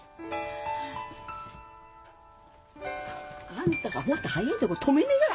あんたがもっと早いとこ止めねえがら。